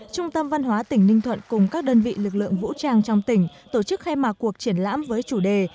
trung tâm văn hóa tỉnh ninh thuận cùng các đơn vị lực lượng vũ trang trong tỉnh tổ chức khai mạc cuộc triển lãm với chủ đề